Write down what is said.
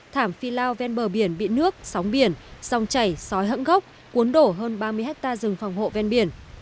thảm phi lao ven bờ biển bị nước sóng biển sông chảy sói hẫng gốc cuốn đổ hơn ba mươi ha rừng phòng hộ ven biển